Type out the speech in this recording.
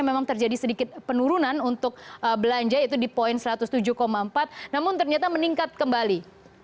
memang terjadi sedikit penurunan untuk belanja itu di poin satu ratus tujuh empat namun ternyata meningkat kembali